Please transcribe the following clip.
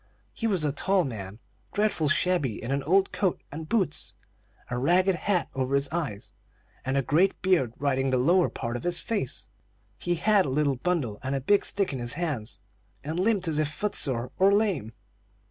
He was a tall man, dreadful shabby in an old coat and boots, a ragged hat over his eyes, and a great beard hiding the lower part of his face. He had a little bundle and a big stick in his hands, and limped as if foot sore or lame.